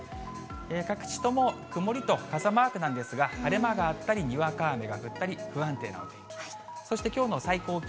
各地とも曇りと傘マークなんですが、晴れ間があったり、にわか雨が降ったり、不安定なお天気。